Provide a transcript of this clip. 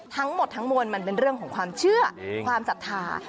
ทั้งหมดทั้งมวลมันเป็นเรื่องของความเชื่อความศรัทธา